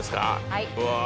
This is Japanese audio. はい。